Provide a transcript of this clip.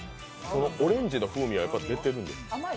オレンジの風味はやっぱり出てるんですか？